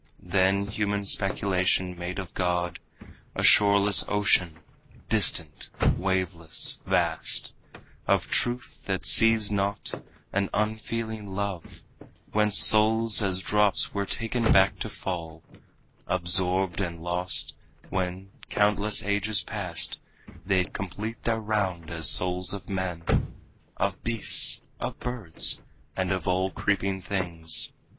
Then human speculation made of God A shoreless ocean, distant, waveless, vast, Of truth that sees not and unfeeling love, Whence souls as drops were taken back to fall, Absorbed and lost, when, countless ages passed, They should complete their round as souls of men, Of beasts, of birds and of all creeping things.